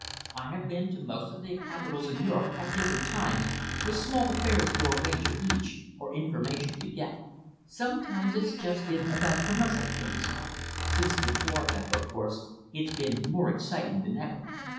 I have been to most of the capitals in Europe at different times, with small affairs to arrange at each, or information to get. Sometimes it's been just about commercial things. Since the war, though, of course, it's been more exciting than ever.